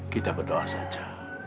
kita berdoa saja